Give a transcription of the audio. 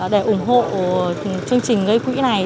để ủng hộ chương trình gây quỹ này